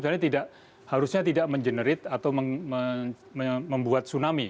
sebenarnya harusnya tidak mengenerate atau membuat tsunami